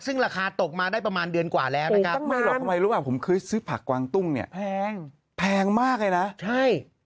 ซึ่งราคาตกมาได้ประมาณเดือนกว่าแล้วนะครับ